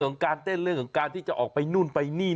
ของการเต้นเรื่องของการที่จะออกไปนู่นไปนี่